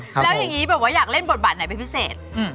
แล้วยังงี้อยากเล่นบทบาทไหนเป็นพิเศษ